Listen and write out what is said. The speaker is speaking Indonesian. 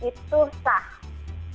dan itu bisa menjadi